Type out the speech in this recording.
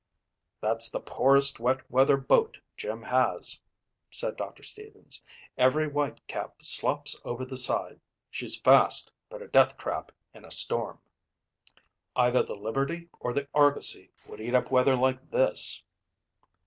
"That's the poorest wet weather boat Jim has," said Doctor Stevens. "Every white cap slops over the side. She's fast but a death trap in a storm. Either the Liberty or the Argosy would eat up weather like this."